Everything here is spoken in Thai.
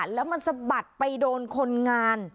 แล้วมันสะบัดไปโดนคนงาน